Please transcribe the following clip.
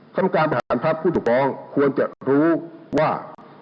กรรมการบริหารพักผู้ถูกร้องควรจะรู้ว่า